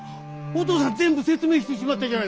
お父さん全部説明してしまったじゃないか。